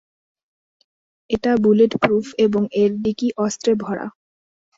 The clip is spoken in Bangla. এটা বুলেটপ্রুফ এবং এর ডিকি অস্ত্রে ভরা।